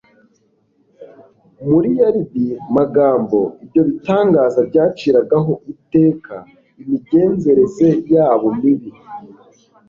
Mu yaridi magambo ibyo bitangaza byaciragaho iteka imigenzereze yabo mibi.